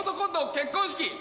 「結婚式」